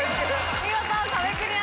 見事壁クリアです。